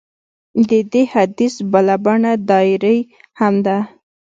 د دې حدیث بله بڼه ډایري هم ده.